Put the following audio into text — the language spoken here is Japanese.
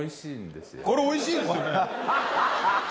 これおいしいですよね。